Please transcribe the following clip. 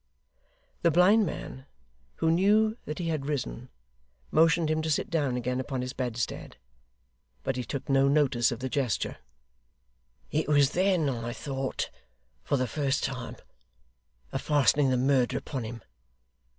The blind man, who knew that he had risen, motioned him to sit down again upon his bedstead; but he took no notice of the gesture. 'It was then I thought, for the first time, of fastening the murder upon him.